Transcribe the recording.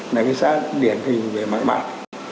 là cái xã điển hình về mạng mạng